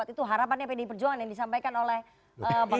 itu harapannya pdi perjuangan yang disampaikan oleh pak jokowi